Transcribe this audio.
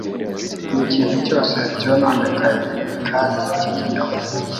n'ikintu cyose cyononekaye kandi cy'ikinyoma.